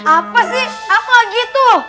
apa sih apa gitu